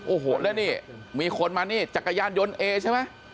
โอ้โหแล้วนี่มีคนมานี่จักรยานยนต์เอใช่ไหม